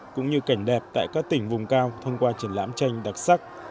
cũng như cảnh đẹp tại các tỉnh vùng cao thông qua triển lãm tranh đặc sắc